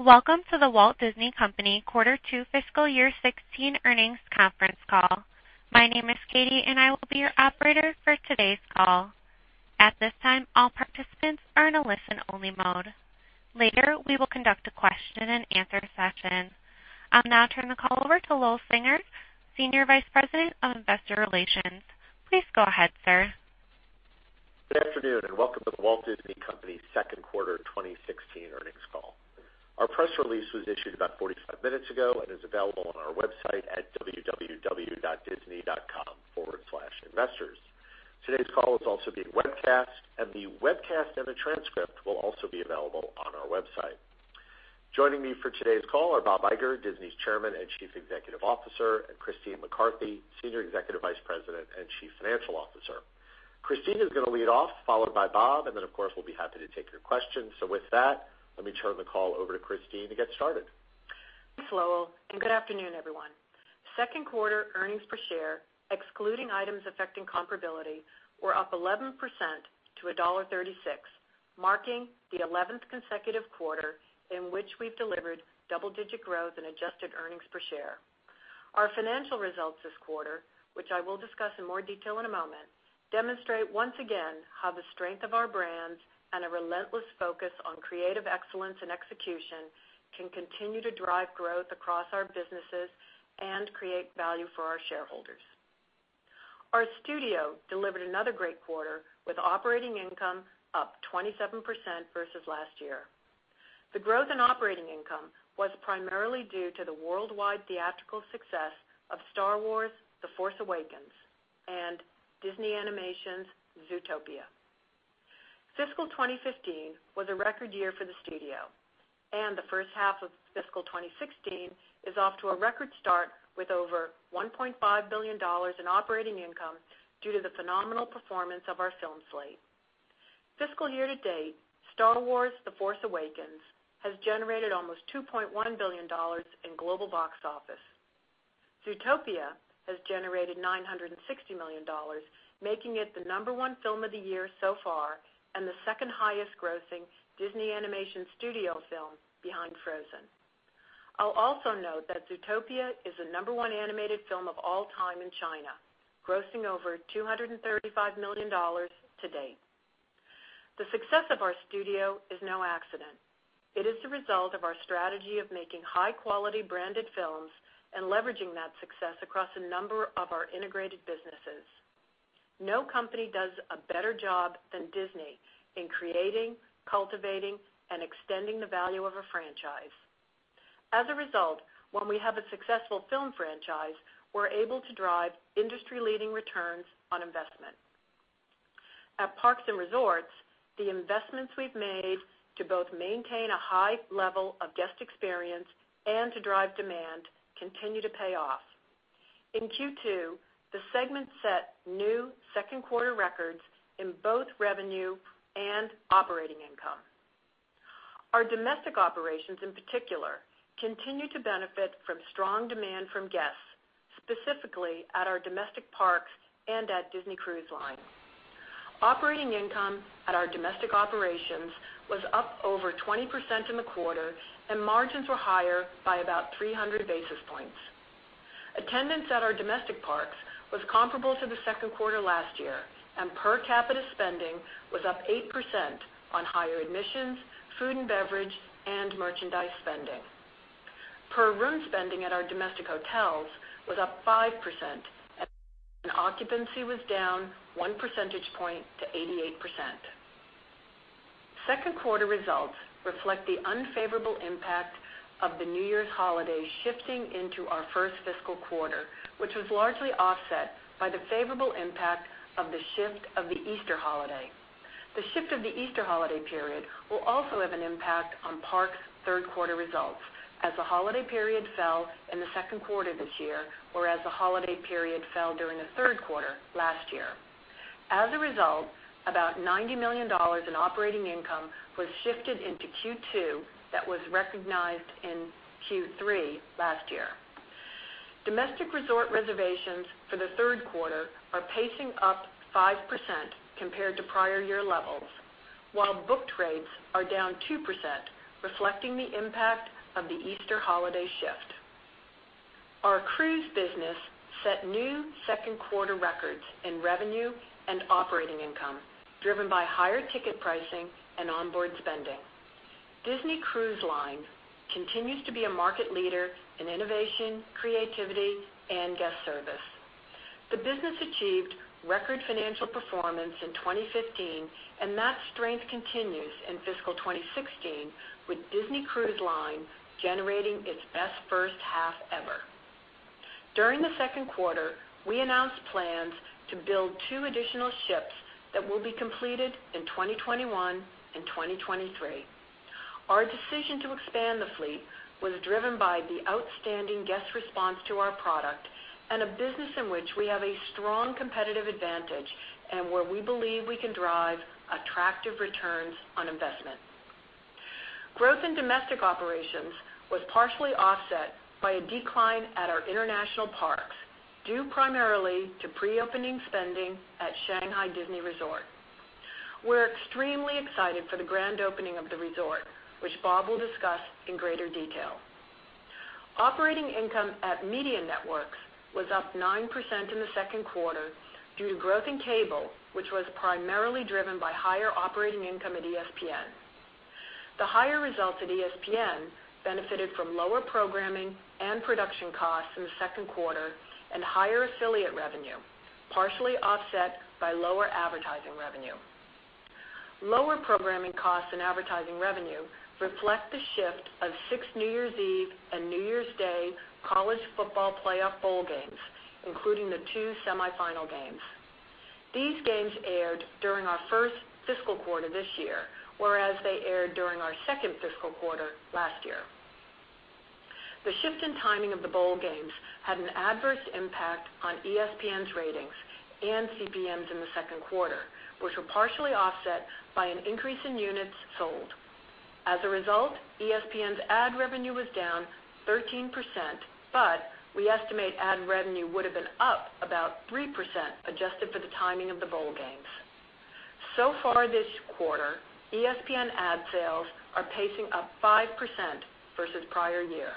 Welcome to The Walt Disney Company quarter two fiscal year 2016 earnings conference call. My name is Katie and I will be your operator for today's call. At this time, all participants are in a listen-only mode. Later, we will conduct a question and answer session. I'll now turn the call over to Lowell Singer, Senior Vice President of Investor Relations. Please go ahead, sir. Good afternoon and welcome to The Walt Disney Company second quarter 2016 earnings call. Our press release was issued about 45 minutes ago and is available on our website at www.disney.com/investors. Today's call is also being webcast, and the webcast and the transcript will also be available on our website. Joining me for today's call are Bob Iger, Disney's Chairman and Chief Executive Officer, and Christine McCarthy, Senior Executive Vice President and Chief Financial Officer. Christine is going to lead off, followed by Bob, and then of course, we'll be happy to take your questions. With that, let me turn the call over to Christine to get started. Thanks, Lowell. Good afternoon, everyone. Second quarter earnings per share, excluding items affecting comparability, were up 11% to $1.36, marking the 11th consecutive quarter in which we've delivered double-digit growth in adjusted earnings per share. Our financial results this quarter, which I will discuss in more detail in a moment, demonstrate once again how the strength of our brands and a relentless focus on creative excellence and execution can continue to drive growth across our businesses and create value for our shareholders. Our studio delivered another great quarter with operating income up 27% versus last year. The growth in operating income was primarily due to the worldwide theatrical success of "Star Wars: The Force Awakens" and Disney Animation's "Zootopia." Fiscal 2015 was a record year for the studio, and the first half of fiscal 2016 is off to a record start with over $1.5 billion in operating income due to the phenomenal performance of our film slate. Fiscal year to date, "Star Wars: The Force Awakens" has generated almost $2.1 billion in global box office. "Zootopia" has generated $960 million, making it the number 1 film of the year so far and the second highest grossing Disney Animation Studio film behind "Frozen." I'll also note that "Zootopia" is the number 1 animated film of all time in China, grossing over $235 million to date. The success of our studio is no accident. It is the result of our strategy of making high-quality branded films and leveraging that success across a number of our integrated businesses. No company does a better job than Disney in creating, cultivating, and extending the value of a franchise. As a result, when we have a successful film franchise, we're able to drive industry-leading returns on investment. At parks and resorts, the investments we've made to both maintain a high level of guest experience and to drive demand continue to pay off. In Q2, the segment set new second-quarter records in both revenue and operating income. Our domestic operations, in particular, continue to benefit from strong demand from guests, specifically at our domestic parks and at Disney Cruise Line. Operating income at our domestic operations was up over 20% in the quarter, and margins were higher by about 300 basis points. Attendance at our domestic parks was comparable to the second quarter last year, and per capita spending was up 8% on higher admissions, food and beverage, and merchandise spending. Per room spending at our domestic hotels was up 5% and occupancy was down one percentage point to 88%. Second quarter results reflect the unfavorable impact of the New Year's holiday shifting into our first fiscal quarter, which was largely offset by the favorable impact of the shift of the Easter holiday. The shift of the Easter holiday period will also have an impact on parks' third-quarter results, as the holiday period fell in the second quarter this year, whereas the holiday period fell during the third quarter last year. As a result, about $90 million in operating income was shifted into Q2 that was recognized in Q3 last year. Domestic resort reservations for the third quarter are pacing up 5% compared to prior year levels, while book rates are down 2%, reflecting the impact of the Easter holiday shift. Our cruise business set new second-quarter records in revenue and operating income, driven by higher ticket pricing and onboard spending. Disney Cruise Line continues to be a market leader in innovation, creativity, and guest service. The business achieved record financial performance in 2015, and that strength continues in fiscal 2016 with Disney Cruise Line generating its best first half ever. During the second quarter, we announced plans to build two additional ships that will be completed in 2021 and 2023. Our decision to expand the fleet was driven by the outstanding guest response to our product and a business in which we have a strong competitive advantage and where we believe we can drive attractive returns on investment. Growth in domestic operations was partially offset by a decline at our international parks due primarily to pre-opening spending at Shanghai Disney Resort. We're extremely excited for the grand opening of the resort, which Bob will discuss in greater detail. Operating income at Media Networks was up 9% in the second quarter due to growth in cable, which was primarily driven by higher operating income at ESPN. The higher results at ESPN benefited from lower programming and production costs in the second quarter and higher affiliate revenue, partially offset by lower advertising revenue. Lower programming costs and advertising revenue reflect the shift of six New Year's Eve and New Year's Day College Football Playoff bowl games, including the two semifinal games. These games aired during our first fiscal quarter this year, whereas they aired during our second fiscal quarter last year. The shift in timing of the bowl games had an adverse impact on ESPN's ratings and CPMs in the second quarter, which were partially offset by an increase in units sold. ESPN's ad revenue was down 13%, but we estimate ad revenue would have been up about 3% adjusted for the timing of the bowl games. This quarter, ESPN ad sales are pacing up 5% versus prior year.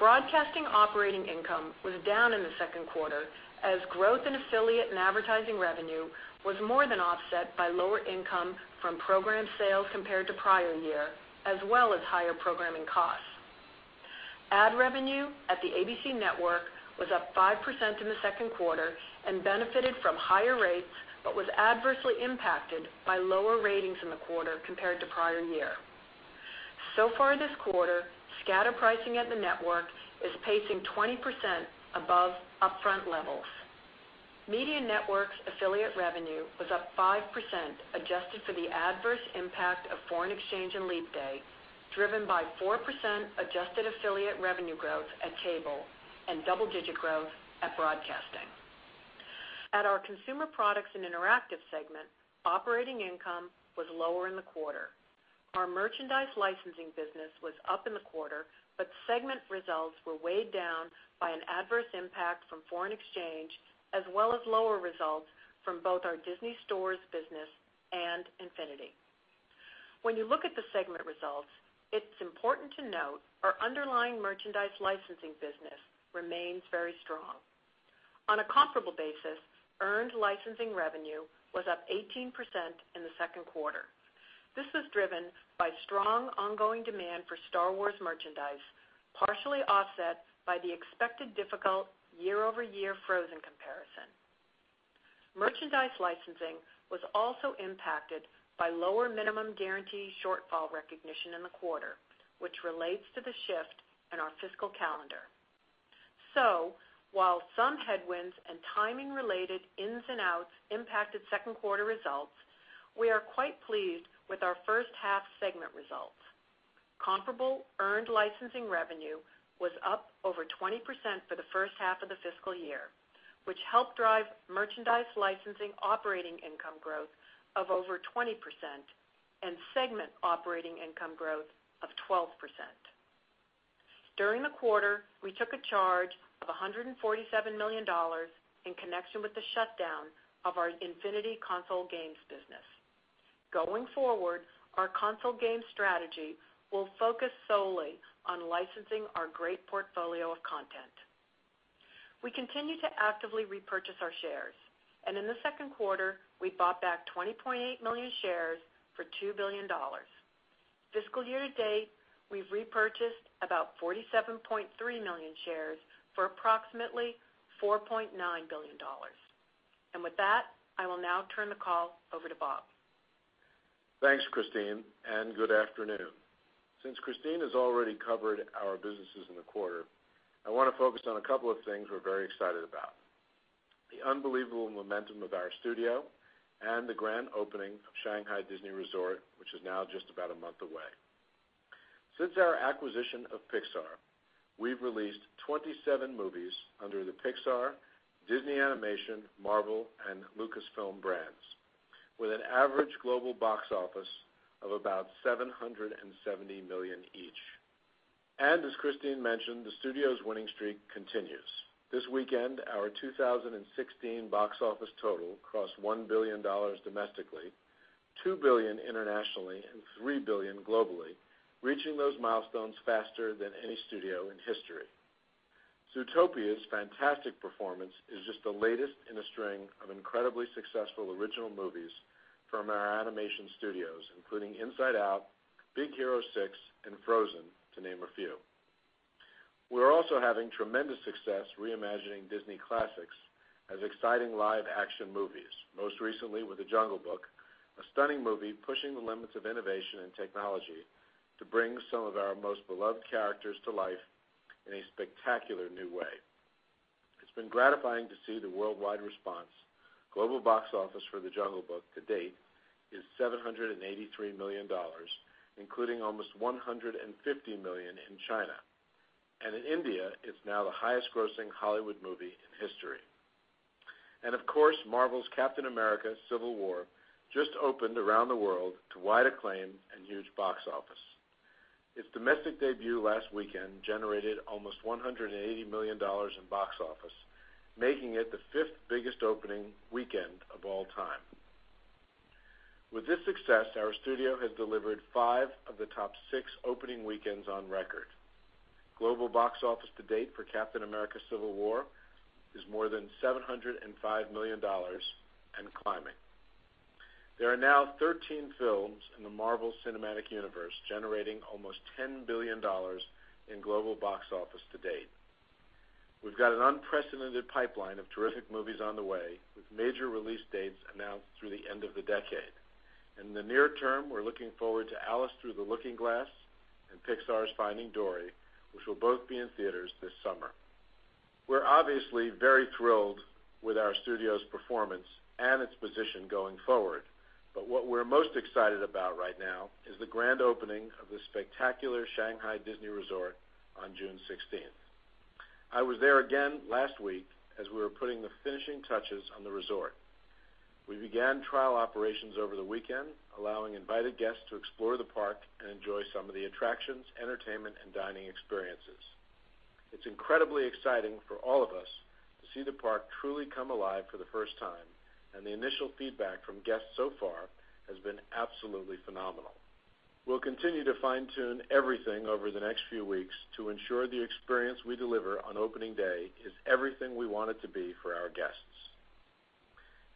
Broadcasting operating income was down in the second quarter as growth in affiliate and advertising revenue was more than offset by lower income from program sales compared to prior year, as well as higher programming costs. Ad revenue at the ABC was up 5% in the second quarter and benefited from higher rates but was adversely impacted by lower ratings in the quarter compared to prior year. This quarter, scatter pricing at the network is pacing 20% above upfront levels. Media Networks affiliate revenue was up 5% adjusted for the adverse impact of foreign exchange and leap day, driven by 4% adjusted affiliate revenue growth at cable and double-digit growth at broadcasting. At our Consumer Products and Interactive segment, operating income was lower in the quarter. Our merchandise licensing business was up in the quarter, but segment results were weighed down by an adverse impact from foreign exchange as well as lower results from both our Disney Store business and Disney Infinity. When you look at the segment results, it's important to note our underlying merchandise licensing business remains very strong. On a comparable basis, earned licensing revenue was up 18% in the second quarter. This was driven by strong ongoing demand for Star Wars merchandise, partially offset by the expected difficult year-over-year Frozen comparison. Merchandise licensing was also impacted by lower minimum guarantee shortfall recognition in the quarter, which relates to the shift in our fiscal calendar. While some headwinds and timing-related ins and outs impacted second quarter results, we are quite pleased with our first half segment results. Comparable earned licensing revenue was up over 20% for the first half of the fiscal year, which helped drive merchandise licensing operating income growth of over 20% and segment operating income growth of 12%. During the quarter, we took a charge of $147 million in connection with the shutdown of our Disney Infinity console games business. Going forward, our console game strategy will focus solely on licensing our great portfolio of content. We continue to actively repurchase our shares. In the second quarter, we bought back 20.8 million shares for $2 billion. Fiscal year to date, we've repurchased about 47.3 million shares for approximately $4.9 billion. With that, I will now turn the call over to Bob. Thanks, Christine, and good afternoon. Since Christine has already covered our businesses in the quarter, I want to focus on a couple of things we're very excited about, the unbelievable momentum of our studio and the grand opening of Shanghai Disney Resort, which is now just about a month away. Since our acquisition of Pixar, we've released 27 movies under the Pixar, Disney Animation, Marvel, and Lucasfilm brands with an average global box office of about $770 million each. As Christine mentioned, the studio's winning streak continues. This weekend, our 2016 box office total crossed $1 billion domestically, $2 billion internationally, and $3 billion globally, reaching those milestones faster than any studio in history. Zootopia's fantastic performance is just the latest in a string of incredibly successful original movies from our animation studios, including Inside Out, Big Hero 6, and Frozen, to name a few. We're also having tremendous success reimagining Disney classics as exciting live-action movies, most recently with The Jungle Book, a stunning movie pushing the limits of innovation and technology to bring some of our most beloved characters to life in a spectacular new way. It's been gratifying to see the worldwide response. Global box office for The Jungle Book to date is $783 million, including almost $150 million in China. In India, it's now the highest-grossing Hollywood movie in history. Of course, Marvel's "Captain America: Civil War" just opened around the world to wide acclaim and huge box office. Its domestic debut last weekend generated almost $180 million in box office, making it the fifth biggest opening weekend of all time. With this success, our studio has delivered five of the top six opening weekends on record. Global box office to date for "Captain America: Civil War" is more than $705 million and climbing. There are now 13 films in the Marvel Cinematic Universe, generating almost $10 billion in global box office to date. We've got an unprecedented pipeline of terrific movies on the way, with major release dates announced through the end of the decade. In the near term, we're looking forward to "Alice Through the Looking Glass" and Pixar's "Finding Dory," which will both be in theaters this summer. We're obviously very thrilled with our studio's performance and its position going forward. What we're most excited about right now is the grand opening of the spectacular Shanghai Disney Resort on June 16th. I was there again last week as we were putting the finishing touches on the resort. We began trial operations over the weekend, allowing invited guests to explore the park and enjoy some of the attractions, entertainment, and dining experiences. It's incredibly exciting for all of us to see the park truly come alive for the first time, and the initial feedback from guests so far has been absolutely phenomenal. We'll continue to fine-tune everything over the next few weeks to ensure the experience we deliver on opening day is everything we want it to be for our guests.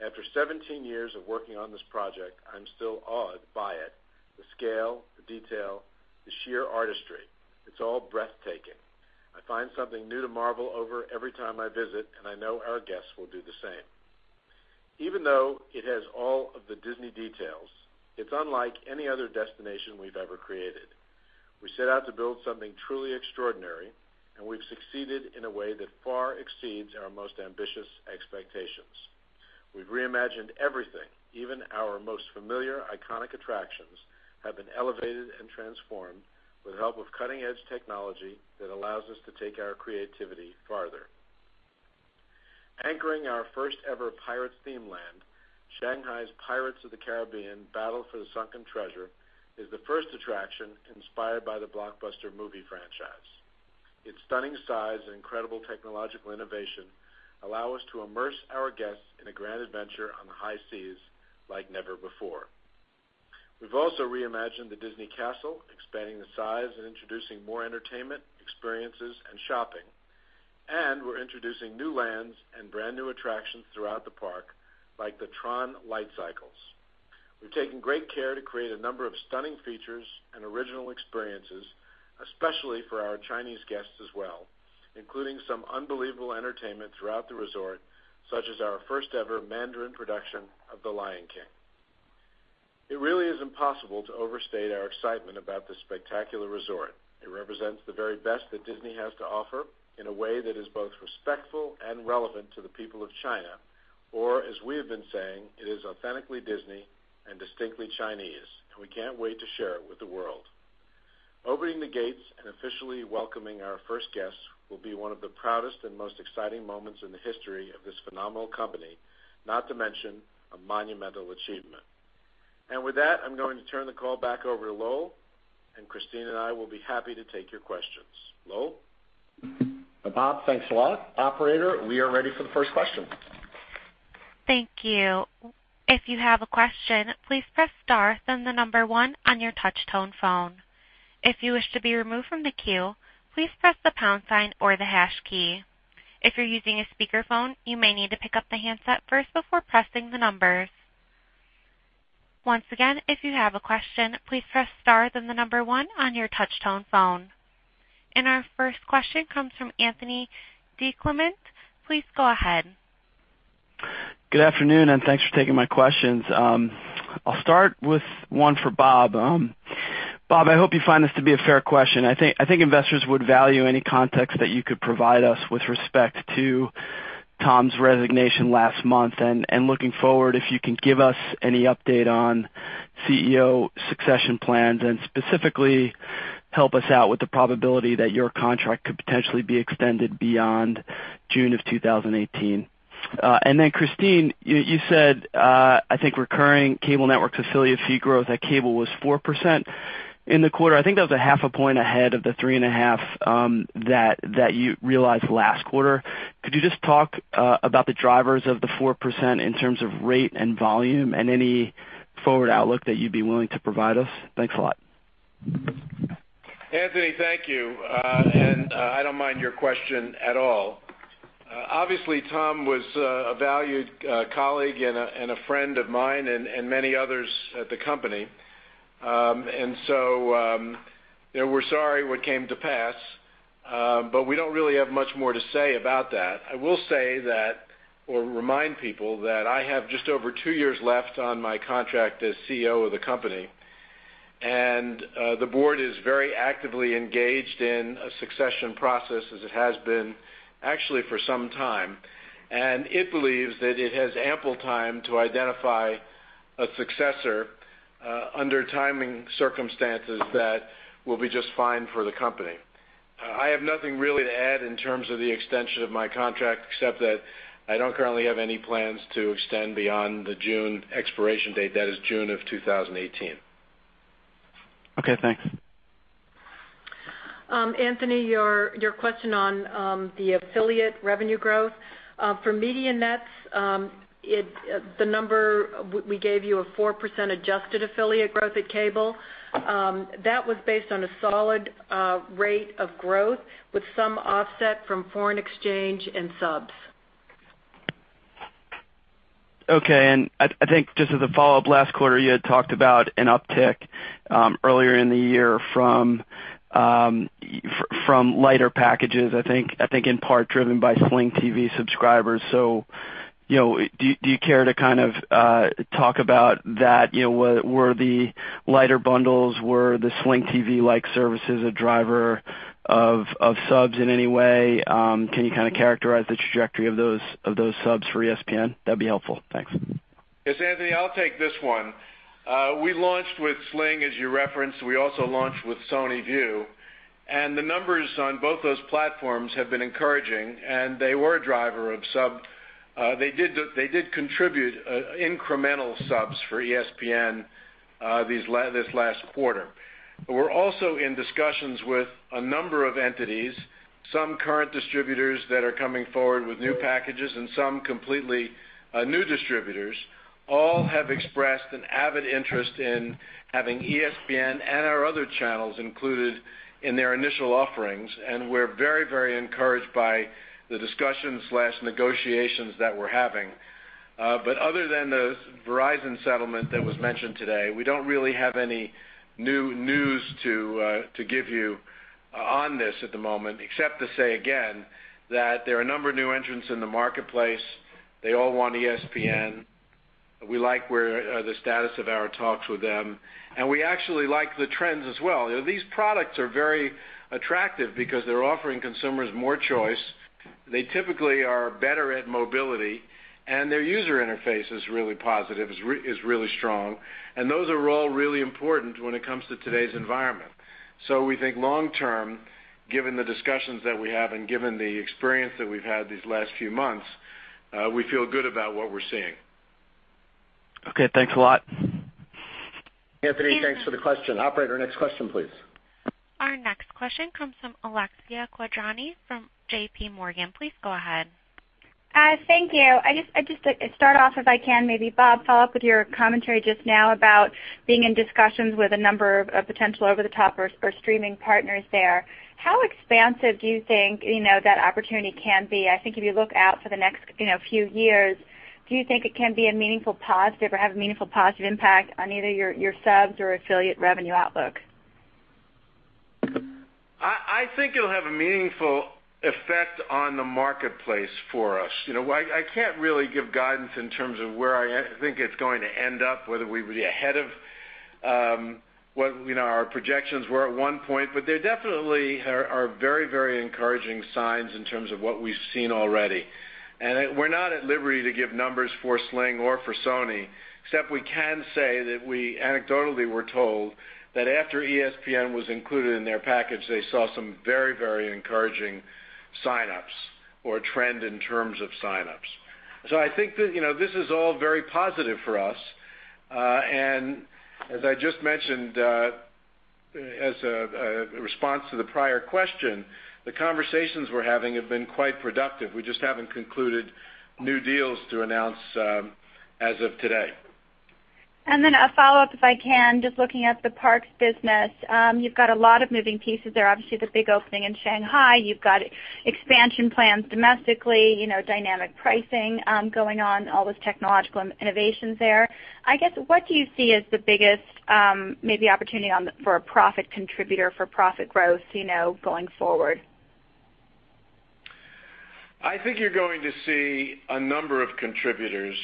After 17 years of working on this project, I'm still awed by it. The scale, the detail, the sheer artistry, it's all breathtaking. I find something new to marvel over every time I visit, and I know our guests will do the same. Even though it has all of the Disney details, it's unlike any other destination we've ever created. We set out to build something truly extraordinary, we've succeeded in a way that far exceeds our most ambitious expectations. We've reimagined everything. Even our most familiar, iconic attractions have been elevated and transformed with the help of cutting-edge technology that allows us to take our creativity farther. Anchoring our first-ever Pirates theme land, Shanghai's Pirates of the Caribbean: Battle for the Sunken Treasure is the first attraction inspired by the blockbuster movie franchise. Its stunning size and incredible technological innovation allow us to immerse our guests in a grand adventure on the high seas like never before. We've also reimagined the Disney Castle, expanding the size and introducing more entertainment, experiences, and shopping, we're introducing new lands and brand-new attractions throughout the park, like the TRON Lightcycles. We've taken great care to create a number of stunning features and original experiences, especially for our Chinese guests as well, including some unbelievable entertainment throughout the resort, such as our first-ever Mandarin production of "The Lion King." It really is impossible to overstate our excitement about this spectacular resort. It represents the very best that Disney has to offer in a way that is both respectful and relevant to the people of China, or as we have been saying, it is authentically Disney and distinctly Chinese, we can't wait to share it with the world. Opening the gates and officially welcoming our first guests will be one of the proudest and most exciting moments in the history of this phenomenal company, not to mention a monumental achievement. With that, I'm going to turn the call back over to Lowell, Christine and I will be happy to take your questions. Lowell? Bob, thanks a lot. Operator, we are ready for the first question. Thank you. If you have a question, please press star, then the number one on your touch-tone phone. If you wish to be removed from the queue, please press the pound sign or the hash key. If you're using a speakerphone, you may need to pick up the handset first before pressing the numbers. Once again, if you have a question, please press star then the number one on your touch-tone phone. Our first question comes from Anthony DiClemente. Please go ahead. Good afternoon. Thanks for taking my questions. I'll start with one for Bob. Bob, I hope you find this to be a fair question. I think investors would value any context that you could provide us with respect to Tom's resignation last month and looking forward, if you can give us any update on CEO succession plans and specifically help us out with the probability that your contract could potentially be extended beyond June of 2018. Christine, you said, I think recurring cable network affiliate fee growth at cable was 4% in the quarter. I think that was a half a point ahead of the three and a half that you realized last quarter. Could you just talk about the drivers of the 4% in terms of rate and volume and any forward outlook that you'd be willing to provide us? Thanks a lot. Anthony, thank you. I don't mind your question at all. Obviously, Tom was a valued colleague and a friend of mine and many others at the company. We're sorry what came to pass, but we don't really have much more to say about that. I will say that, or remind people that I have just over two years left on my contract as CEO of the company, and the board is very actively engaged in a succession process as it has been actually for some time. It believes that it has ample time to identify a successor under timing circumstances that will be just fine for the company. I have nothing really to add in terms of the extension of my contract, except that I don't currently have any plans to extend beyond the June expiration date. That is June of 2018. Okay, thanks. Anthony, your question on the affiliate revenue growth. For media nets, the number we gave you of 4% adjusted affiliate growth at cable, that was based on a solid rate of growth with some offset from foreign exchange and subs. Okay. I think just as a follow-up, last quarter, you had talked about an uptick earlier in the year from lighter packages, I think in part driven by Sling TV subscribers. Do you care to talk about that? Were the lighter bundles, were the Sling TV-like services a driver of subs in any way? Can you characterize the trajectory of those subs for ESPN? That would be helpful. Thanks. Yes, Anthony, I will take this one. We launched with Sling, as you referenced. We also launched with PlayStation Vue, and the numbers on both those platforms have been encouraging, and they were a driver of sub. They did contribute incremental subs for ESPN this last quarter. We are also in discussions with a number of entities, some current distributors that are coming forward with new packages and some completely new distributors. All have expressed an avid interest in having ESPN and our other channels included in their initial offerings, and we are very encouraged by the discussions/negotiations that we are having. Other than the Verizon settlement that was mentioned today, we do not really have any new news to give you on this at the moment, except to say again that there are a number of new entrants in the marketplace. They all want ESPN. We like the status of our talks with them, and we actually like the trends as well. These products are very attractive because they are offering consumers more choice. They typically are better at mobility, and their user interface is really positive, is really strong, and those are all really important when it comes to today's environment. We think long term, given the discussions that we have and given the experience that we have had these last few months, we feel good about what we are seeing. Okay, thanks a lot. Anthony, thanks for the question. Operator, next question, please. Our next question comes from Alexia Quadrani from J.P. Morgan. Please go ahead. Thank you. I just start off if I can maybe, Bob, follow up with your commentary just now about being in discussions with a number of potential over-the-top or streaming partners there. How expansive do you think that opportunity can be? I think if you look out for the next few years, do you think it can be a meaningful positive or have a meaningful positive impact on either your subs or affiliate revenue outlook? I think it'll have a meaningful effect on the marketplace for us. I can't really give guidance in terms of where I think it's going to end up, whether we'll be ahead of what our projections were at one point, but there definitely are very encouraging signs in terms of what we've seen already. We're not at liberty to give numbers for Sling or for Sony, except we can say that we anecdotally were told that after ESPN was included in their package, they saw some very encouraging sign-ups or trend in terms of sign-ups. I think that this is all very positive for us. As I just mentioned, as a response to the prior question, the conversations we're having have been quite productive. We just haven't concluded new deals to announce as of today. if I can, just looking at the parks business. You've got a lot of moving pieces there. Obviously, the big opening in Shanghai. You've got expansion plans domestically, dynamic pricing going on, all those technological innovations there. I guess, what do you see as the biggest maybe opportunity for a profit contributor for profit growth going forward? I think you're going to see a number of contributors.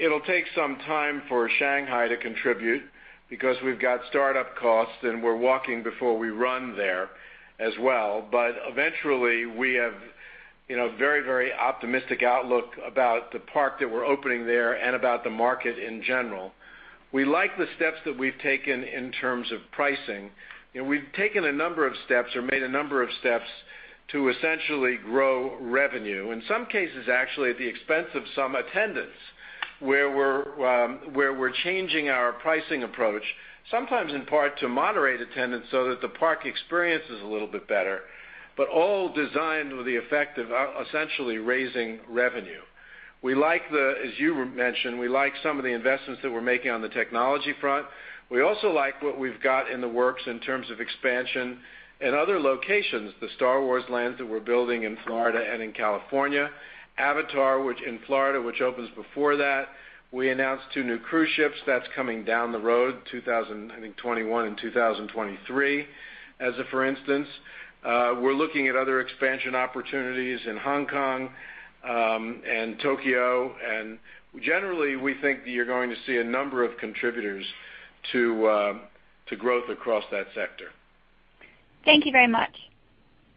It'll take some time for Shanghai to contribute because we've got startup costs, and we're walking before we run there as well. Eventually, we have very optimistic outlook about the park that we're opening there and about the market in general. We like the steps that we've taken in terms of pricing. We've made a number of steps to essentially grow revenue, in some cases, actually at the expense of some attendance, where we're changing our pricing approach, sometimes in part to moderate attendance so that the park experience is a little bit better, but all designed with the effect of essentially raising revenue. As you mentioned, we like some of the investments that we're making on the technology front. We also like what we've got in the works in terms of expansion in other locations, the Star Wars lands that we're building in Florida and in California, Avatar, which in Florida, which opens before that. We announced two new cruise ships that's coming down the road, 2021 and 2023, as of for instance. We're looking at other expansion opportunities in Hong Kong and Tokyo, generally, we think that you're going to see a number of contributors to growth across that sector. Thank you very much.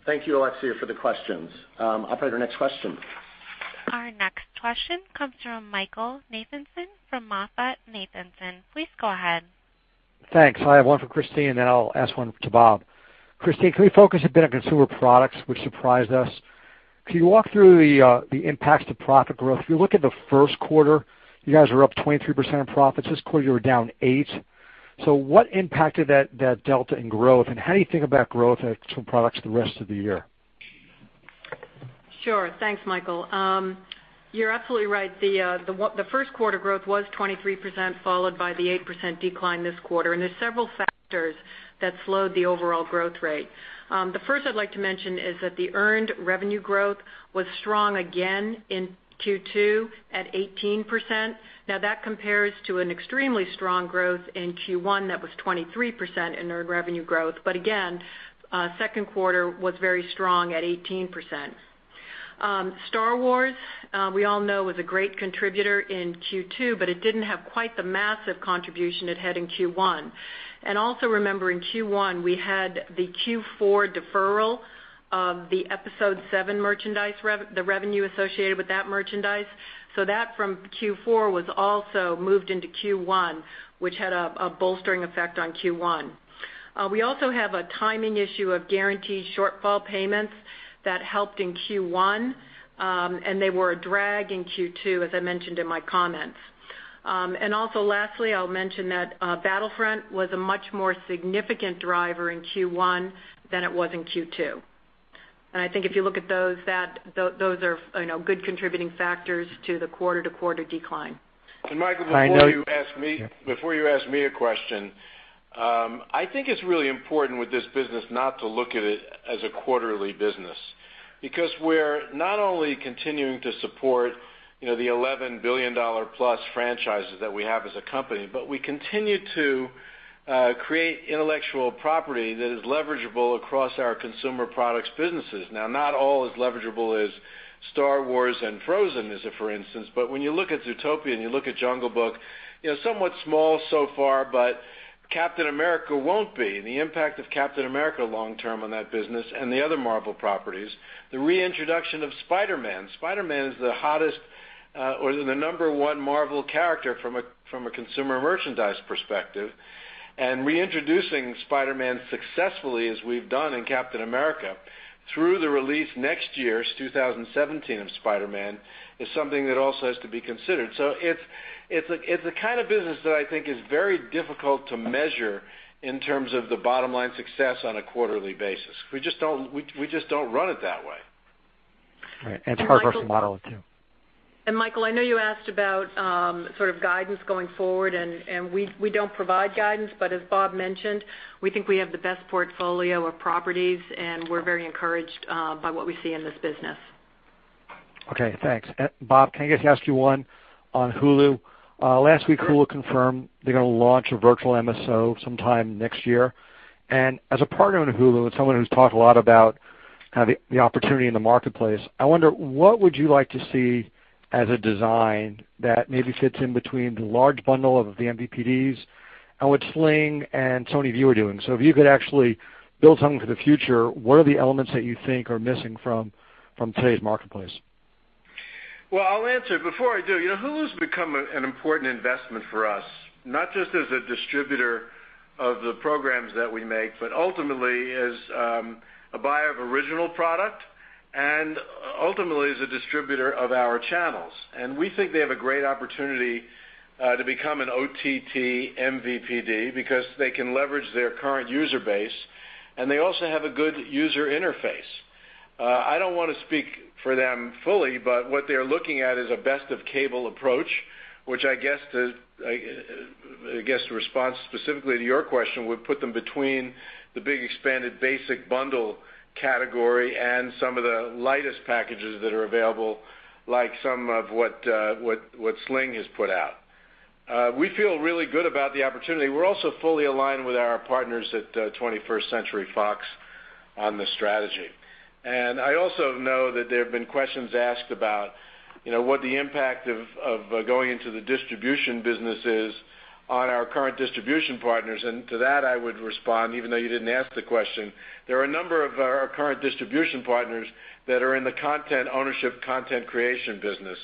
Thank you, Alexia, for the questions. Operator, next question. Our next question comes from Michael Nathanson from MoffettNathanson. Please go ahead. Thanks. I have one for Christine, and then I'll ask one to Bob. Christine, can we focus a bit on Consumer Products, which surprised us? Can you walk through the impacts to profit growth? If you look at the first quarter, you guys are up 23% in profits. This quarter, you were down eight. What impacted that delta in growth, and how do you think about growth in Consumer Products the rest of the year? Sure. Thanks, Michael. You're absolutely right. The first quarter growth was 23%, followed by the 8% decline this quarter, and there's several factors that slowed the overall growth rate. The first I'd like to mention is that the earned revenue growth was strong again in Q2 at 18%. Now, that compares to an extremely strong growth in Q1 that was 23% in earned revenue growth. Again, second quarter was very strong at 18%. Star Wars, we all know, was a great contributor in Q2, but it didn't have quite the massive contribution it had in Q1. Also remember, in Q1, we had the Q4 deferral of the episode seven merchandise, the revenue associated with that merchandise. That from Q4 was also moved into Q1, which had a bolstering effect on Q1. We also have a timing issue of guaranteed shortfall payments that helped in Q1, they were a drag in Q2, as I mentioned in my comments. Lastly, I'll mention that Battlefront was a much more significant driver in Q1 than it was in Q2. I think if you look at those are good contributing factors to the quarter-to-quarter decline. Michael, before you ask me a question, I think it's really important with this business not to look at it as a quarterly business because we're not only continuing to support the $11 billion-plus franchises that we have as a company, we continue to create intellectual property that is leverageable across our consumer products businesses. Not all as leverageable as Star Wars and Frozen as a for instance, but when you look at Zootopia and you look at The Jungle Book, somewhat small so far, Captain America won't be, and the impact of Captain America long term on that business and the other Marvel properties, the reintroduction of Spider-Man. Spider-Man is the hottest or the number one Marvel character from a consumer merchandise perspective, reintroducing Spider-Man successfully, as we've done in Captain America through the release next year, it's 2017, of Spider-Man, is something that also has to be considered. It's a kind of business that I think is very difficult to measure in terms of the bottom line success on a quarterly basis. We just don't run it that way. Right. It's hard to model it too. Michael, I know you asked about sort of guidance going forward, we don't provide guidance, but as Bob mentioned, we think we have the best portfolio of properties, and we're very encouraged by what we see in this business. Okay, thanks. Bob, can I just ask you one on Hulu? Last week, Hulu confirmed they're going to launch a virtual MSO sometime next year. As a partner in Hulu and someone who's talked a lot about the opportunity in the marketplace, I wonder what would you like to see as a design that maybe fits in between the large bundle of the MVPDs and what Sling and PlayStation Vue are doing? If you could actually build something for the future, what are the elements that you think are missing from today's marketplace? Well, I'll answer it. Before I do, Hulu's become an important investment for us, not just as a distributor of the programs that we make, but ultimately as a buyer of original product and ultimately as a distributor of our channels. We think they have a great opportunity to become an OTT MVPD because they can leverage their current user base, and they also have a good user interface. I don't want to speak for them fully, but what they're looking at is a best of cable approach, which I guess to respond specifically to your question, would put them between the big expanded basic bundle category and some of the lightest packages that are available, like some of what Sling has put out. We feel really good about the opportunity. We're also fully aligned with our partners at 21st Century Fox on the strategy. I also know that there have been questions asked about what the impact of going into the distribution business is on our current distribution partners, and to that, I would respond, even though you didn't ask the question, there are a number of our current distribution partners that are in the content ownership, content creation business,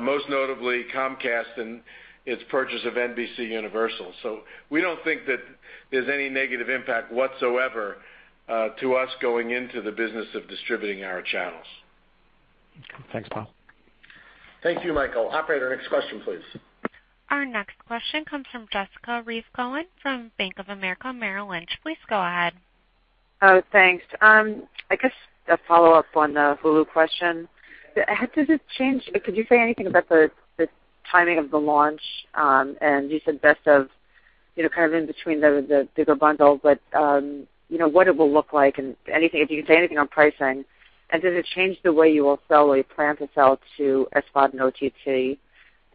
most notably Comcast and its purchase of NBCUniversal. We don't think that there's any negative impact whatsoever to us going into the business of distributing our channels. Thanks, Bob. Thank you, Michael. Operator, next question, please. Our next question comes from Jessica Reif Cohen from Bank of America Merrill Lynch. Please go ahead. Oh, thanks. I guess a follow-up on the Hulu question. Could you say anything about the timing of the launch? You said best of, kind of in between the bigger bundle, but what it will look like and if you can say anything on pricing, and does it change the way you will sell or you plan to sell to SVOD and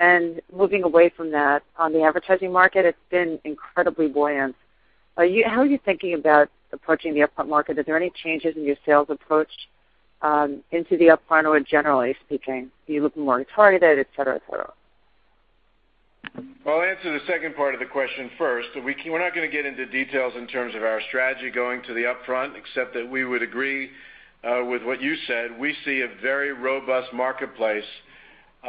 OTT? Moving away from that, on the advertising market, it's been incredibly buoyant. How are you thinking about approaching the upfront market? Is there any changes in your sales approach into the upfront or generally speaking? Are you looking more targeted, et cetera? Well, I'll answer the second part of the question first. We're not going to get into details in terms of our strategy going to the upfront, except that we would agree with what you said. We see a very robust marketplace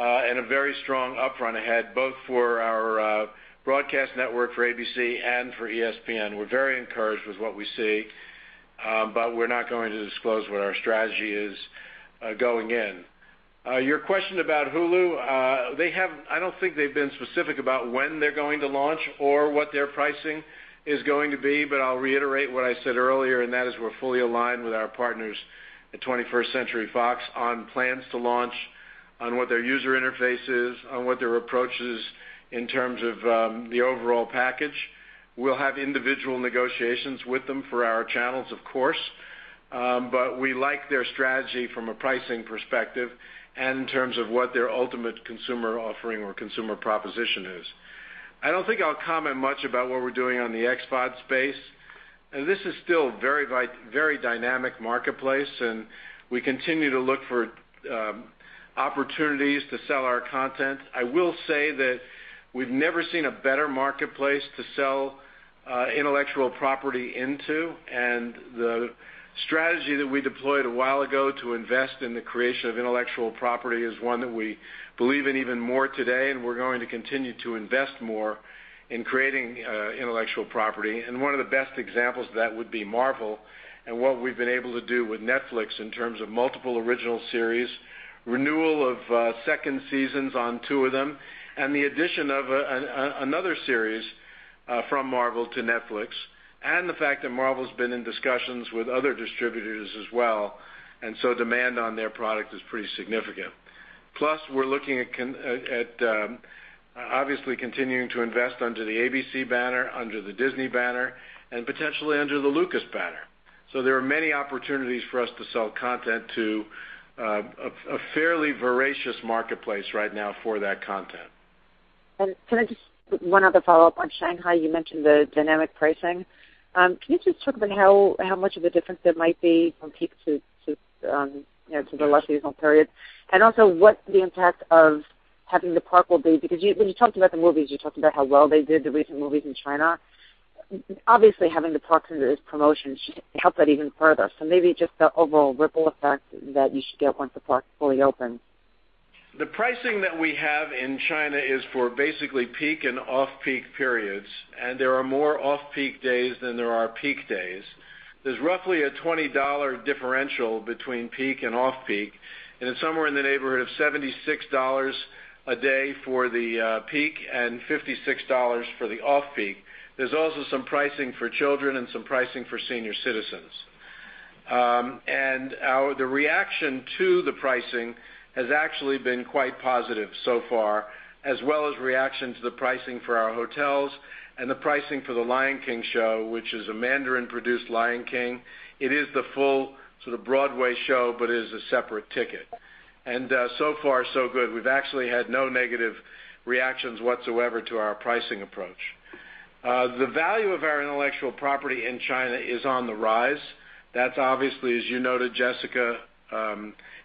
and a very strong upfront ahead, both for our broadcast network for ABC and for ESPN. We're very encouraged with what we see, but we're not going to disclose what our strategy is going in. Your question about Hulu, I don't think they've been specific about when they're going to launch or what their pricing is going to be, but I'll reiterate what I said earlier, and that is we're fully aligned with our partners at 21st Century Fox on plans to launch, on what their user interface is, on what their approach is in terms of the overall package. We'll have individual negotiations with them for our channels, of course, but we like their strategy from a pricing perspective and in terms of what their ultimate consumer offering or consumer proposition is. I don't think I'll comment much about what we're doing on the xVOD space. This is still a very dynamic marketplace. We continue to look for opportunities to sell our content. I will say that we've never seen a better marketplace to sell intellectual property into, and the strategy that we deployed a while ago to invest in the creation of intellectual property is one that we believe in even more today. We're going to continue to invest more in creating intellectual property. One of the best examples of that would be Marvel and what we've been able to do with Netflix in terms of multiple original series, renewal of second seasons on two of them, and the addition of another series from Marvel to Netflix. The fact that Marvel's been in discussions with other distributors as well, demand on their product is pretty significant. Plus, we're looking at obviously continuing to invest under the ABC banner, under the Disney banner, and potentially under the Lucas banner. There are many opportunities for us to sell content to a fairly voracious marketplace right now for that content. Can I one other follow-up on Shanghai? You mentioned the dynamic pricing. Can you just talk about how much of a difference there might be from peak to the less seasonal periods? Also what the impact of having the park will be, because when you talked about the movies, you talked about how well they did, the recent movies in China. Obviously, having the park and those promotions should help that even further. Maybe just the overall ripple effect that you should get once the park is fully open. The pricing that we have in China is for basically peak and off-peak periods, and there are more off-peak days than there are peak days. There's roughly a $20 differential between peak and off-peak, and it's somewhere in the neighborhood of $76 a day for the peak and $56 for the off-peak. There's also some pricing for children and some pricing for senior citizens. The reaction to the pricing has actually been quite positive so far, as well as reaction to the pricing for our hotels and the pricing for The Lion King show, which is a Mandarin-produced Lion King. It is the full sort of Broadway show, but it is a separate ticket. So far, so good. We've actually had no negative reactions whatsoever to our pricing approach. The value of our intellectual property in China is on the rise. That's obviously, as you noted, Jessica,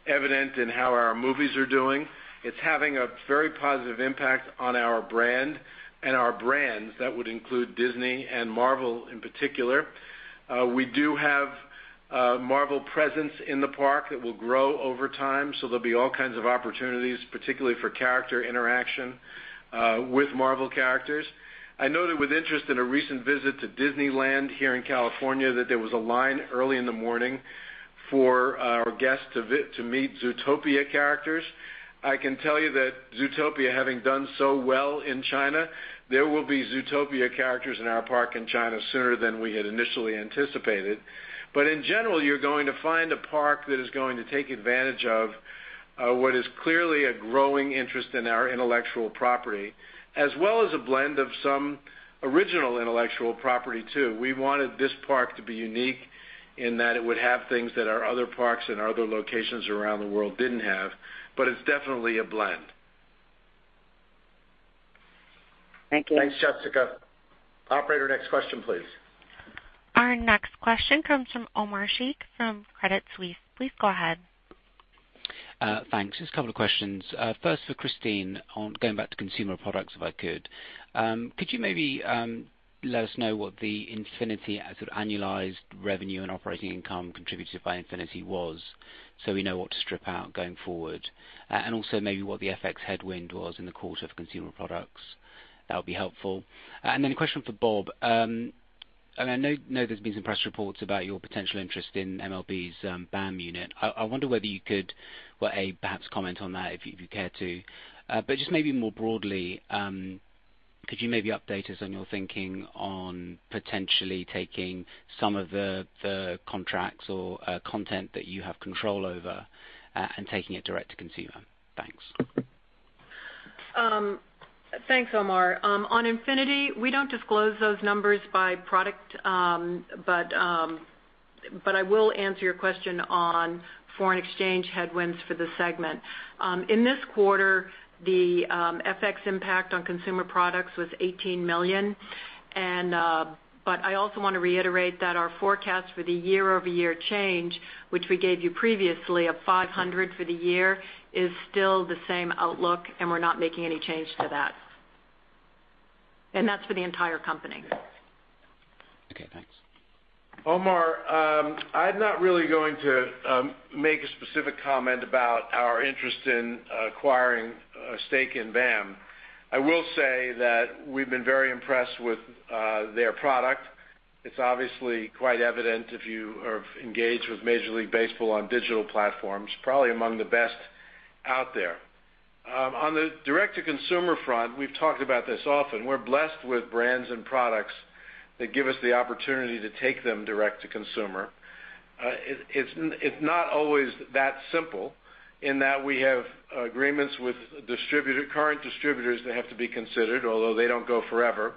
evident in how our movies are doing. It's having a very positive impact on our brand and our brands. That would include Disney and Marvel in particular. We do have a Marvel presence in the park that will grow over time, so there'll be all kinds of opportunities, particularly for character interaction with Marvel characters. I noted with interest in a recent visit to Disneyland here in California that there was a line early in the morning for our guests to meet Zootopia characters. I can tell you that Zootopia, having done so well in China, there will be Zootopia characters in our park in China sooner than we had initially anticipated. In general, you're going to find a park that is going to take advantage of what is clearly a growing interest in our intellectual property, as well as a blend of some original intellectual property, too. We wanted this park to be unique in that it would have things that our other parks and our other locations around the world didn't have, but it's definitely a blend. Thank you. Thanks, Jessica. Operator, next question, please. Our next question comes from Omar Sheikh from Credit Suisse. Please go ahead. Thanks. Just a couple of questions. First for Christine, on going back to consumer products, if I could. Could you maybe let us know what the Infinity as sort of annualized revenue and operating income contributed by Infinity was so we know what to strip out going forward? Also maybe what the FX headwind was in the course of consumer products. That would be helpful. Then a question for Bob. I know there's been some press reports about your potential interest in MLB's BAM unit. I wonder whether you could, A, perhaps comment on that if you care to, but just maybe more broadly, could you maybe update us on your thinking on potentially taking some of the contracts or content that you have control over and taking it direct to consumer? Thanks. Thanks, Omar. On Infinity, we don't disclose those numbers by product but I will answer your question on foreign exchange headwinds for the segment. In this quarter, the FX impact on consumer products was $18 million. I also want to reiterate that our forecast for the year-over-year change, which we gave you previously of $500 million for the year, is still the same outlook, and we're not making any change to that. That's for the entire company. Okay, thanks. Omar, I'm not really going to make a specific comment about our interest in acquiring a stake in BAM. I will say that we've been very impressed with their product. It's obviously quite evident if you are engaged with Major League Baseball on digital platforms, probably among the best out there. On the direct-to-consumer front, we've talked about this often. We're blessed with brands and products that give us the opportunity to take them direct to consumer. It's not always that simple in that we have agreements with current distributors that have to be considered, although they don't go forever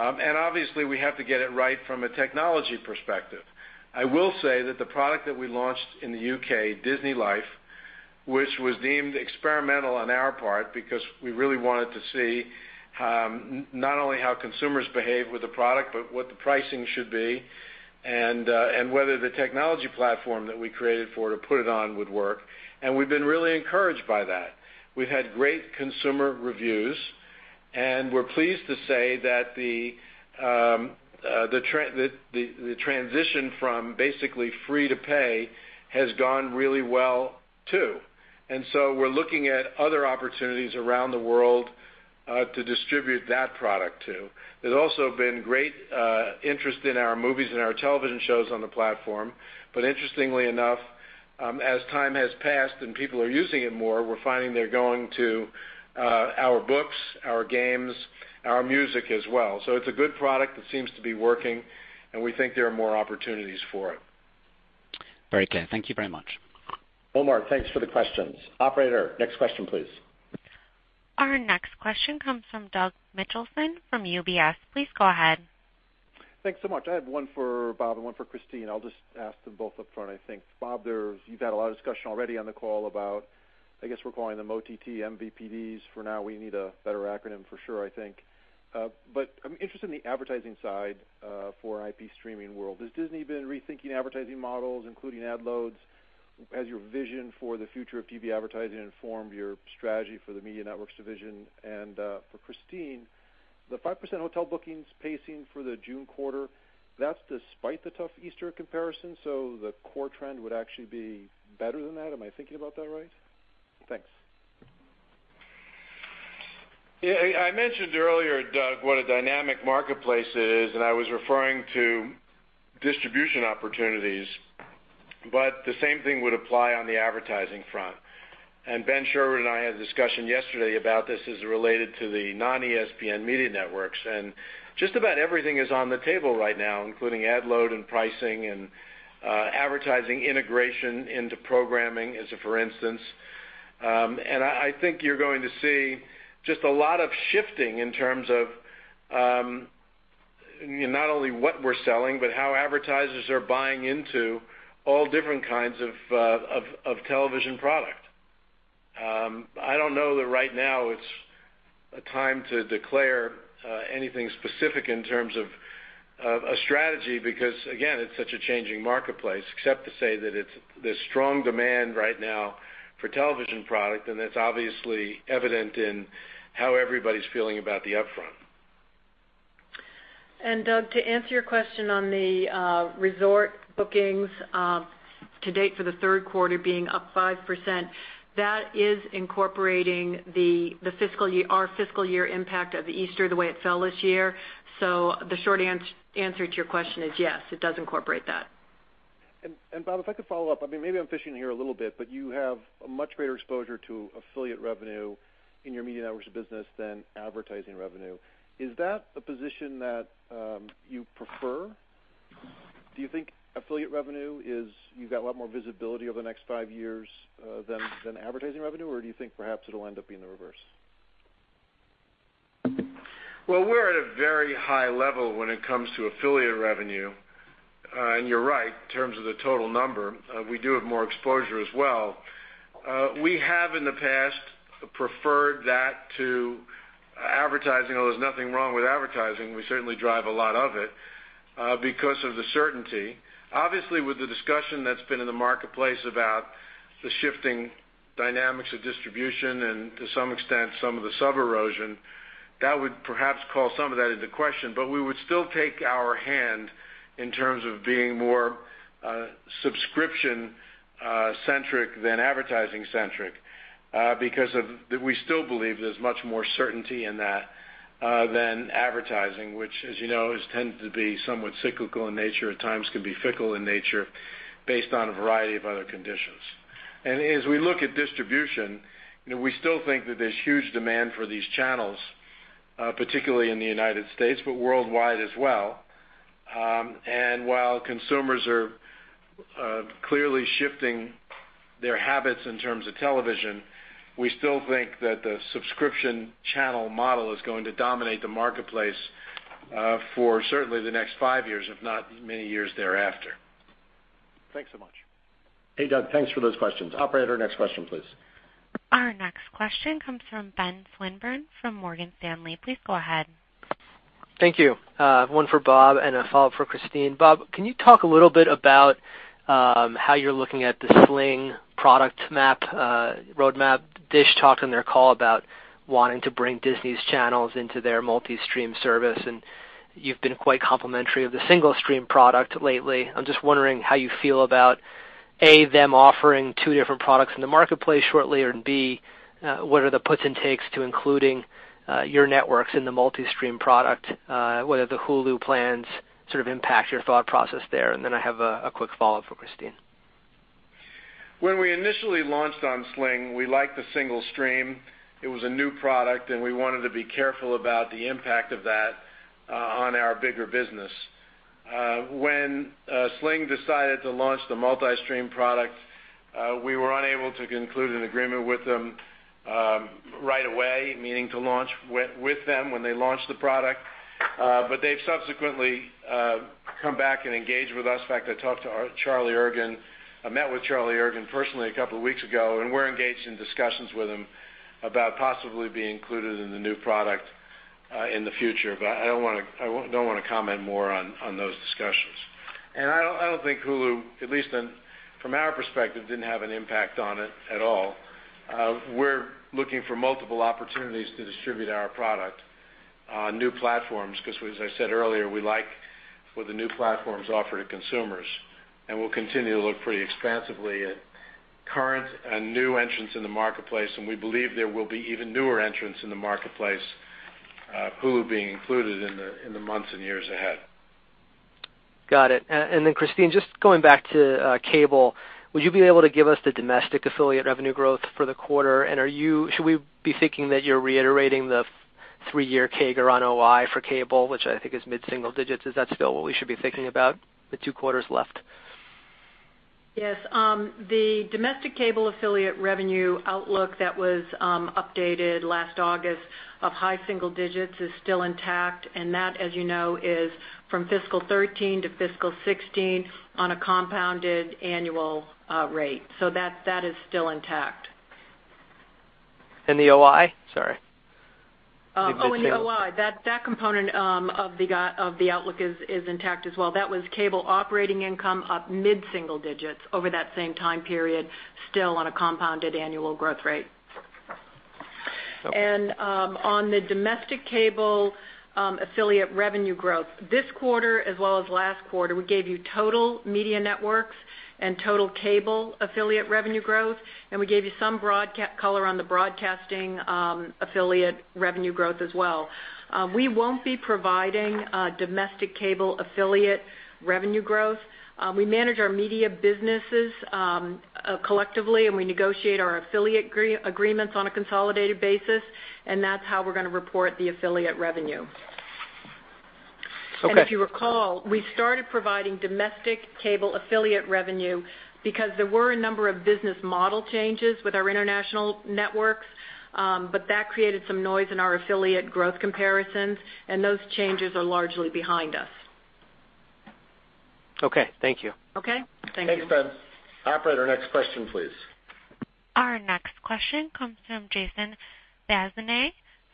and obviously, we have to get it right from a technology perspective. I will say that the product that we launched in the U.K., DisneyLife, which was deemed experimental on our part because we really wanted to see not only how consumers behave with the product but what the pricing should be and whether the technology platform that we created for to put it on would work. We've been really encouraged by that. We've had great consumer reviews, and we're pleased to say that the transition from basically free to pay has gone really well, too. We're looking at other opportunities around the world to distribute that product too. There's also been great interest in our movies and our television shows on the platform. Interestingly enough, as time has passed and people are using it more, we're finding they're going to our books, our games, our music as well. It's a good product that seems to be working, and we think there are more opportunities for it. Very clear. Thank you very much. Omar, thanks for the questions. Operator, next question, please. Our next question comes from Douglas Mitchelson from UBS. Please go ahead. Thanks so much. I have one for Bob and one for Christine. I'll just ask them both up front, I think. Bob, you've had a lot of discussion already on the call about, I guess we're calling them OTT MVPDs for now. We need a better acronym for sure, I think. I'm interested in the advertising side for IP streaming world. Has Disney been rethinking advertising models, including ad loads as your vision for the future of TV advertising informed your strategy for the media networks division? For Christine, the 5% hotel bookings pacing for the June quarter, that's despite the tough Easter comparison, so the core trend would actually be better than that. Am I thinking about that right? Thanks. Yeah. I mentioned earlier, Doug, what a dynamic marketplace it is. I was referring to distribution opportunities, the same thing would apply on the advertising front. Ben Sherwood and I had a discussion yesterday about this as it related to the non-ESPN media networks, just about everything is on the table right now, including ad load and pricing and advertising integration into programming as a for instance. I think you're going to see just a lot of shifting in terms of not only what we're selling, but how advertisers are buying into all different kinds of television product. I don't know that right now it's a time to declare anything specific in terms of a strategy because again, it's such a changing marketplace except to say that it's this strong demand right now for television product, that's obviously evident in how everybody's feeling about the upfront. Doug, to answer your question on the resort bookings to date for the third quarter being up 5%, that is incorporating our fiscal year impact of the Easter, the way it fell this year. The short answer to your question is yes, it does incorporate that. Bob, if I could follow up. Maybe I'm fishing here a little bit, you have a much greater exposure to affiliate revenue in your media networks business than advertising revenue. Is that a position that you prefer? Do you think affiliate revenue you've got a lot more visibility over the next five years than advertising revenue, do you think perhaps it'll end up being the reverse? Well, we're at a very high level when it comes to affiliate revenue. You're right, in terms of the total number, we do have more exposure as well. We have in the past preferred that to advertising, although there's nothing wrong with advertising, we certainly drive a lot of it, because of the certainty. Obviously, with the discussion that's been in the marketplace about the shifting dynamics of distribution and to some extent, some of the sub erosion, that would perhaps call some of that into question. We would still take our hand in terms of being more subscription-centric than advertising-centric because we still believe there's much more certainty in that than advertising which as you know tends to be somewhat cyclical in nature at times can be fickle in nature based on a variety of other conditions. As we look at distribution, we still think that there's huge demand for these channels, particularly in the U.S., but worldwide as well. While consumers are clearly shifting their habits in terms of television, we still think that the subscription channel model is going to dominate the marketplace for certainly the next five years, if not many years thereafter. Thanks so much. Hey, Doug. Thanks for those questions. Operator, next question, please. Our next question comes from Benjamin Swinburne from Morgan Stanley. Please go ahead. Thank you. One for Bob and a follow-up for Christine. Bob, can you talk a little bit about how you're looking at the Sling product roadmap? Dish talked on their call about wanting to bring Disney's channels into their multi-stream service, and you've been quite complimentary of the single-stream product lately. I'm just wondering how you feel about, A, them offering two different products in the marketplace shortly, and B, what are the puts and takes to including your networks in the multi-stream product? Whether the Hulu plans sort of impact your thought process there. I have a quick follow-up for Christine. When we initially launched on Sling, we liked the single stream. It was a new product, and we wanted to be careful about the impact of that on our bigger business. When Sling decided to launch the multi-stream product, we were unable to conclude an agreement with them right away, meaning to launch with them when they launched the product. They've subsequently come back and engaged with us. In fact, I talked to Charlie Ergen. I met with Charlie Ergen personally a couple of weeks ago, and we're engaged in discussions with him about possibly being included in the new product in the future. I don't want to comment more on those discussions. I don't think Hulu, at least from our perspective, didn't have an impact on it at all. We're looking for multiple opportunities to distribute our product on new platforms because, as I said earlier, we like what the new platforms offer to consumers. We'll continue to look pretty expansively at current and new entrants in the marketplace, and we believe there will be even newer entrants in the marketplace, Hulu being included, in the months and years ahead. Got it. Christine, just going back to cable, would you be able to give us the domestic affiliate revenue growth for the quarter? Should we be thinking that you're reiterating the three-year CAGR on OI for cable, which I think is mid-single digits? Is that still what we should be thinking about with two quarters left? Yes. The domestic cable affiliate revenue outlook that was updated last August of high single digits is still intact. That, as you know, is from fiscal 2013 to fiscal 2016 on a compounded annual rate. That is still intact. The OI? Sorry. The OI. That component of the outlook is intact as well. That was cable operating income up mid-single digits over that same time period, still on a compounded annual growth rate. On the domestic cable affiliate revenue growth, this quarter as well as last quarter, we gave you total media networks and total cable affiliate revenue growth. We gave you some color on the broadcasting affiliate revenue growth as well. We won't be providing domestic cable affiliate revenue growth. We manage our media businesses collectively. We negotiate our affiliate agreements on a consolidated basis. That's how we're going to report the affiliate revenue. Okay. If you recall, we started providing domestic cable affiliate revenue because there were a number of business model changes with our international networks, but that created some noise in our affiliate growth comparisons, and those changes are largely behind us. Okay. Thank you. Okay. Thank you. Thanks, Ben. Operator, next question, please. Our next question comes from Jason Bazinet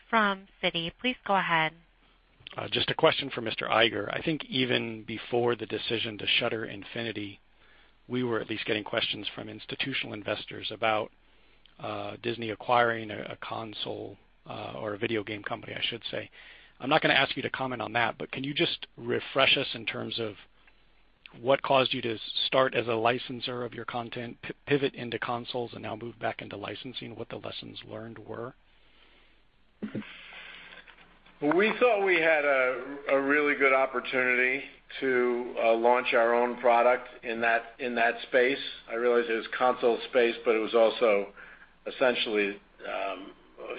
from Citi. Please go ahead. Just a question for Mr. Iger. I think even before the decision to shutter Infinity, we were at least getting questions from institutional investors about Disney acquiring a console or a video game company, I should say. I'm not going to ask you to comment on that. Can you just refresh us in terms of what caused you to start as a licensor of your content, pivot into consoles, and now move back into licensing? What the lessons learned were? We thought we had a really good opportunity to launch our own product in that space. I realize it was console space, but it was also essentially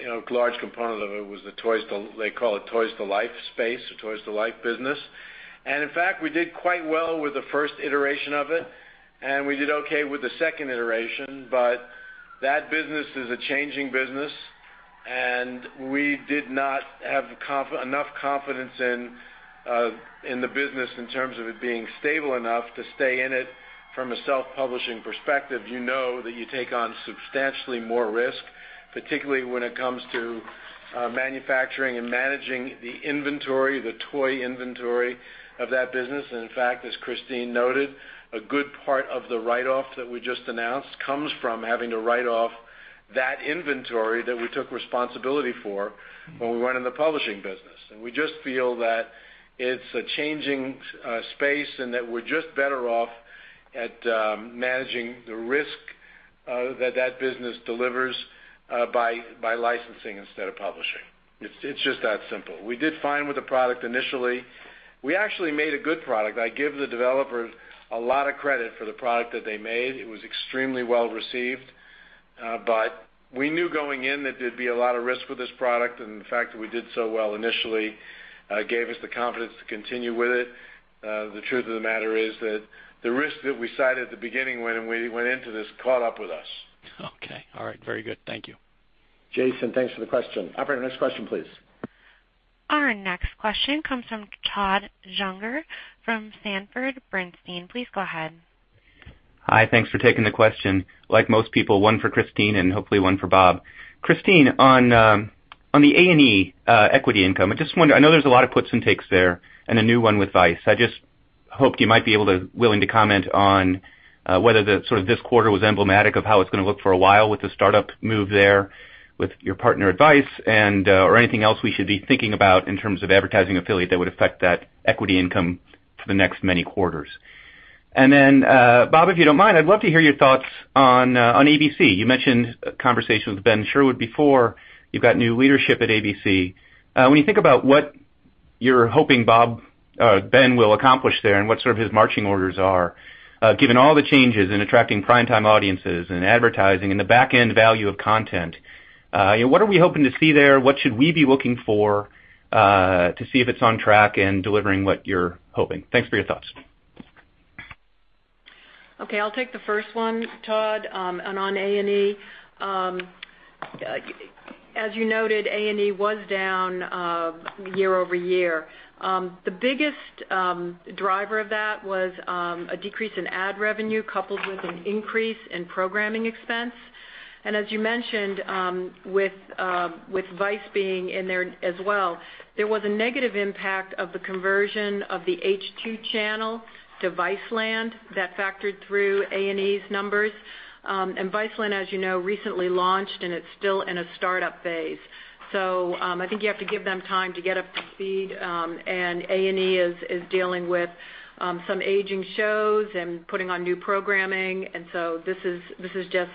a large component of it was the, they call it toys-to-life space or toys-to-life business. In fact, we did quite well with the first iteration of it, and we did okay with the second iteration, but that business is a changing business, and we did not have enough confidence in the business in terms of it being stable enough to stay in it from a self-publishing perspective. You know that you take on substantially more risk, particularly when it comes to manufacturing and managing the inventory, the toy inventory of that business. In fact, as Christine noted, a good part of the write-off that we just announced comes from having to write off that inventory that we took responsibility for when we went in the publishing business. We just feel that it's a changing space and that we're just better off at managing the risk that business delivers by licensing instead of publishing. It's just that simple. We did fine with the product initially. We actually made a good product. I give the developers a lot of credit for the product that they made. It was extremely well-received. We knew going in that there'd be a lot of risk with this product, and the fact that we did so well initially gave us the confidence to continue with it. The truth of the matter is that the risk that we cited at the beginning when we went into this caught up with us. Okay. All right. Very good. Thank you. Jason, thanks for the question. Operator, next question, please. Our next question comes from Todd Juenger from Sanford Bernstein. Please go ahead. Hi. Thanks for taking the question. Like most people, one for Christine and hopefully one for Bob. Christine, on the A&E equity income, I know there's a lot of puts and takes there and a new one with Vice. I just hoped you might be willing to comment on whether this quarter was emblematic of how it's going to look for a while with the startup move there with your partner Vice, or anything else we should be thinking about in terms of advertising affiliate that would affect that equity income for the next many quarters. Bob, if you don't mind, I'd love to hear your thoughts on ABC. You mentioned a conversation with Ben Sherwood before. You've got new leadership at ABC. When you think about what you're hoping Ben will accomplish there and what his marching orders are, given all the changes in attracting prime time audiences and advertising and the back-end value of content, what are we hoping to see there? What should we be looking for to see if it's on track and delivering what you're hoping? Thanks for your thoughts. Okay. I'll take the first one, Todd, on A&E. As you noted, A&E was down year-over-year. The biggest driver of that was a decrease in ad revenue coupled with an increase in programming expense. As you mentioned, with Vice being in there as well, there was a negative impact of the conversion of the H2 channel to Viceland that factored through A&E's numbers. Viceland, as you know, recently launched, and it's still in a startup phase. I think you have to give them time to get up to speed, and A&E is dealing with some aging shows and putting on new programming, this is just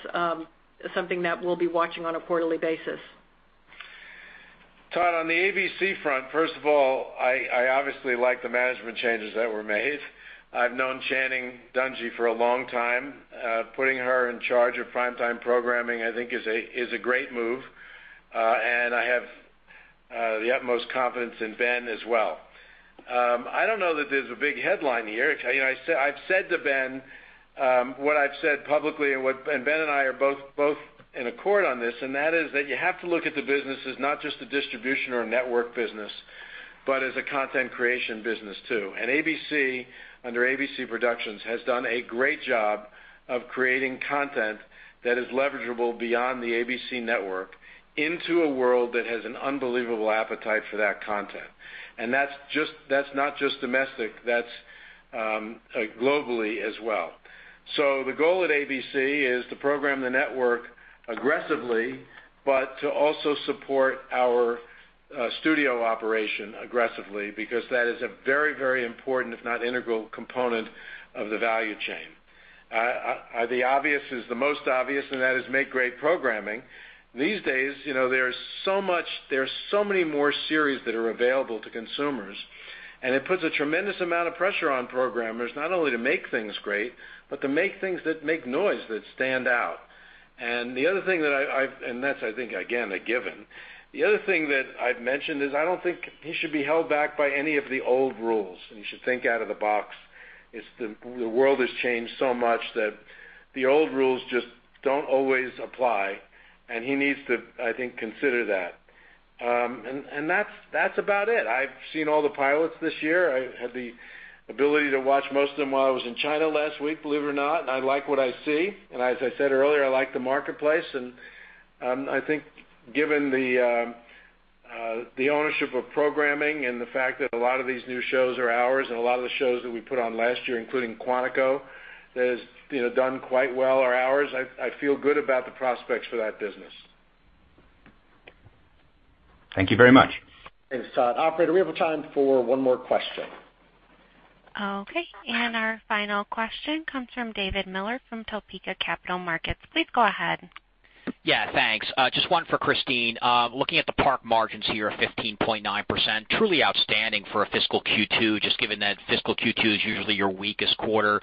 something that we'll be watching on a quarterly basis. Todd, on the ABC front, first of all, I obviously like the management changes that were made. I've known Channing Dungey for a long time. Putting her in charge of prime time programming, I think, is a great move. I have the utmost confidence in Ben as well. I don't know that there's a big headline here. I've said to Ben what I've said publicly, Ben and I are both in accord on this, and that is that you have to look at the business as not just a distribution or a network business, but as a content creation business, too. ABC, under ABC Signature, has done a great job of creating content that is leverageable beyond the ABC network into a world that has an unbelievable appetite for that content. That's not just domestic, that's globally as well. The goal at ABC is to program the network aggressively, but to also support our studio operation aggressively because that is a very, very important, if not integral component of the value chain. The obvious is the most obvious, that is make great programming. These days, there are so many more series that are available to consumers, and it puts a tremendous amount of pressure on programmers not only to make things great, but to make things that make noise, that stand out. That's, I think, again, a given. The other thing that I've mentioned is I don't think he should be held back by any of the old rules, and he should think out of the box. The world has changed so much that the old rules just don't always apply, and he needs to, I think, consider that. That's about it. I've seen all the pilots this year. I had the ability to watch most of them while I was in China last week, believe it or not, I like what I see. As I said earlier, I like the marketplace, and I think given the ownership of programming and the fact that a lot of these new shows are ours and a lot of the shows that we put on last year, including "Quantico," that has done quite well, are ours, I feel good about the prospects for that business. Thank you very much. Thanks, Todd. Operator, we have time for one more question. Okay. Our final question comes from David Miller from Topeka Capital Markets. Please go ahead. Yeah. Thanks. Just one for Christine. Looking at the park margins here of 15.9%, truly outstanding for a fiscal Q2, just given that fiscal Q2 is usually your weakest quarter.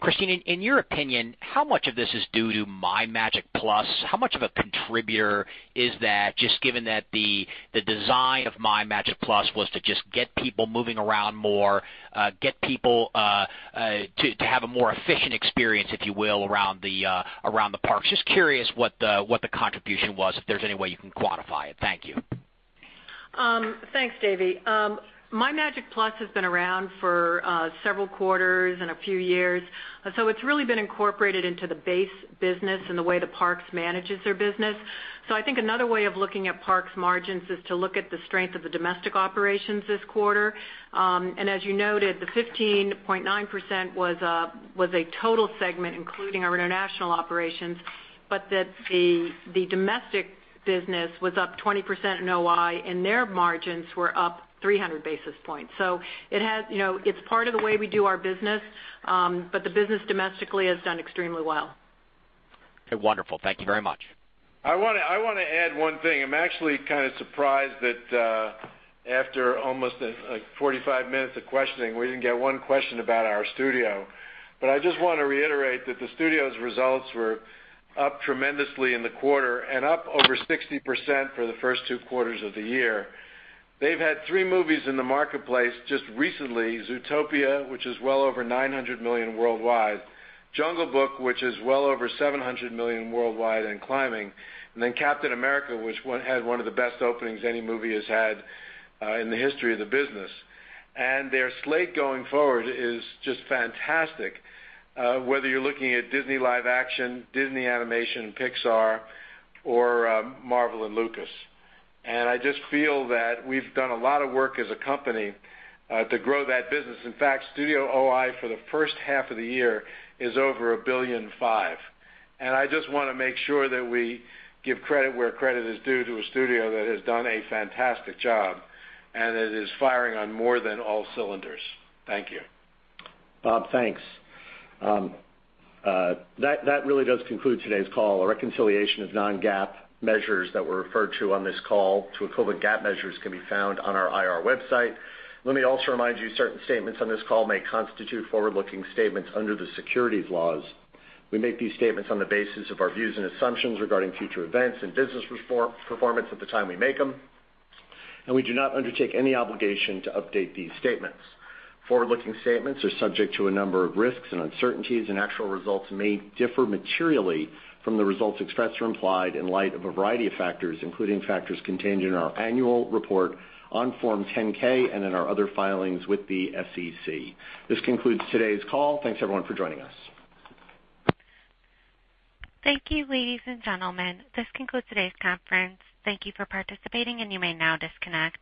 Christine, in your opinion, how much of this is due to MyMagic+? How much of a contributor is that, just given that the design of MyMagic+ was to just get people moving around more, get people to have a more efficient experience, if you will, around the parks? Just curious what the contribution was, if there's any way you can quantify it. Thank you. Thanks, Davey. MyMagic+ has been around for several quarters and a few years, so it's really been incorporated into the base business and the way the parks manages their business. I think another way of looking at parks margins is to look at the strength of the domestic operations this quarter. As you noted, the 15.9% was a total segment, including our international operations, but that the domestic business was up 20% in OI and their margins were up 300 basis points. It's part of the way we do our business, but the business domestically has done extremely well. Okay, wonderful. Thank you very much. I want to add one thing. I'm actually kind of surprised that after almost 45 minutes of questioning, we didn't get one question about our studio. I just want to reiterate that the studio's results were up tremendously in the quarter and up over 60% for the first two quarters of the year. They've had three movies in the marketplace just recently, "Zootopia," which is well over $900 million worldwide, "The Jungle Book," which is well over $700 million worldwide and climbing, and "Captain America," which had one of the best openings any movie has had in the history of the business. Their slate going forward is just fantastic, whether you're looking at Disney live action, Walt Disney Animation Studios, Pixar, or Marvel and Lucasfilm. I just feel that we've done a lot of work as a company to grow that business. In fact, Studio OI for the first half of the year is over $1.5 billion. I just want to make sure that we give credit where credit is due to a studio that has done a fantastic job and that is firing on more than all cylinders. Thank you. Bob, thanks. That really does conclude today's call. A reconciliation of non-GAAP measures that were referred to on this call to equivalent GAAP measures can be found on our IR website. Let me also remind you certain statements on this call may constitute forward-looking statements under the securities laws. We make these statements on the basis of our views and assumptions regarding future events and business performance at the time we make them, and we do not undertake any obligation to update these statements. Forward-looking statements are subject to a number of risks and uncertainties, and actual results may differ materially from the results expressed or implied in light of a variety of factors, including factors contained in our annual report on Form 10-K and in our other filings with the SEC. This concludes today's call. Thanks, everyone, for joining us. Thank you, ladies and gentlemen. This concludes today's conference. Thank you for participating and you may now disconnect.